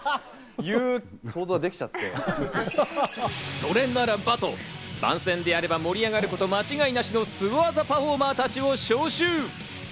それならばと番宣でやれば盛り上がること間違いなしのスゴ技パフォーマーたちを招集。